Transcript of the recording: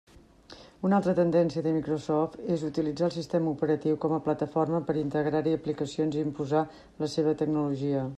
Una altra tendència de Microsoft és utilitzar el sistema operatiu com a plataforma per integrar-hi aplicacions i imposar la seva tecnologia.